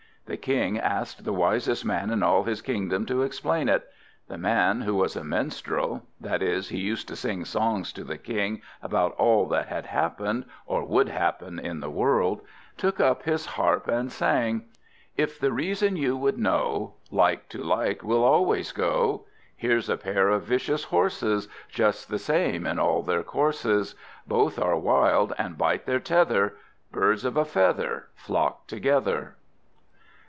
The King asked the wisest man in all his kingdom to explain it; and the man, who was a minstrel, that is, he used to sing songs to the King about all that had happened or would happen in the world, took up his harp and sang: "If the reason you would know, Like to like will always go; Here's a pair of vicious horses Just the same in all their courses; Both are wild, and bite their tether: Birds of a feather flock together."